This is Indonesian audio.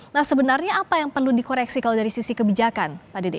nah sebenarnya apa yang perlu dikoreksi kalau dari sisi kebijakan pak dede